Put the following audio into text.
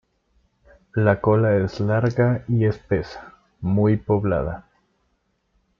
La cola es larga y espesa, muy poblada.